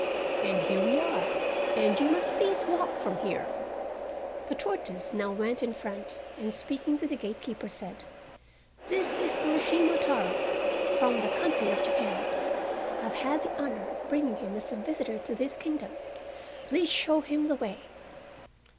"And here we are, and you must please walk from here." The tortoise now went in front, and speaking to the gatekeeper, said: "This is Urashima Taro, from the country of Japan. I have had the honor of bringing him as a visitor to this kingdom. Please show him the way."